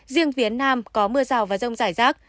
riêng phía nam có mưa rào và rông rải rác